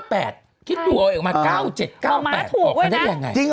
แล้ว๙๘คิดดูเอาออกมา๙๗๙๘คำถามอย่างไรจริงหรอ